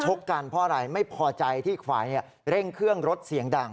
กันเพราะอะไรไม่พอใจที่อีกฝ่ายเร่งเครื่องรถเสียงดัง